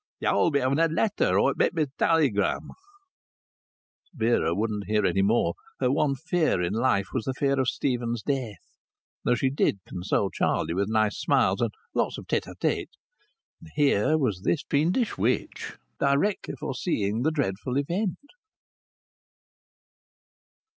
] "Yo'll be havin' a letter, or it mit be a talligram " Vera wouldn't hear any more. Her one fear in life was the fear of Stephen's death (though she did console Charlie with nice smiles and lots of tête à tête), and here was this fiendish witch directly foreseeing the dreadful event.